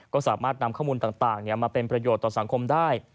ก็สามารถนำข้อมูลต่างมาเป็นประโยชน์ต่อสังคมได้